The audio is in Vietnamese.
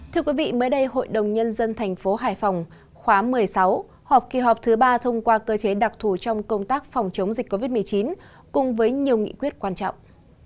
thưa quý vị mới đây hội đồng nhân dân thành phố hải phòng khóa một mươi sáu họp kỳ họp thứ ba thông qua cơ chế đặc thù trong công tác phòng chống dịch covid một mươi chín cùng với nhiều nghị quyết quan trọng